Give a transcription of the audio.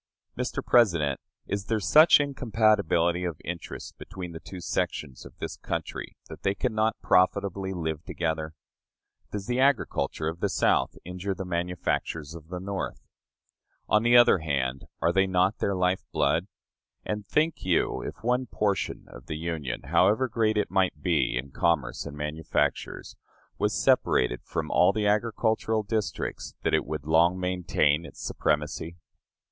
Mr. President, is there such incompatibility of interest between the two sections of this country that they can not profitably live together? Does the agriculture of the South injure the manufactures of the North? On the other hand, are they not their life blood? And think you, if one portion of the Union, however great it might be in commerce and manufactures, was separated from all the agricultural districts, that it would long maintain its supremacy?